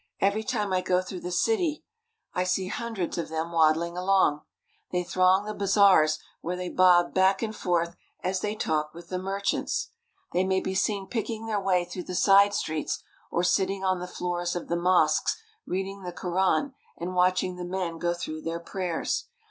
Every time I go through the city I see hundreds of them wad dling along. They throng the bazaars, where they bob back and forth as they talk with the merchants. They may be seen picking their way through the side streets or sitting on the floors of the mosques reading the Koran and watching the men go through their prayers.